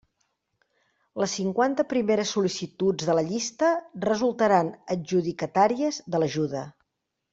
Les cinquanta primeres sol·licituds de la llista resultaran adjudicatàries de l'ajuda.